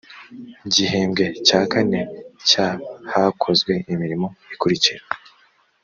gihembwe cya kane cya hakozwe imirimo ikurikira